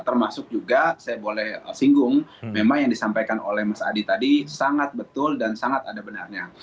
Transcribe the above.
termasuk juga saya boleh singgung memang yang disampaikan oleh mas adi tadi sangat betul dan sangat ada benarnya